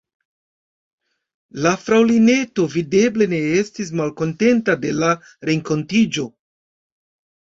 La fraŭlineto videble ne estis malkontenta de la renkontiĝo.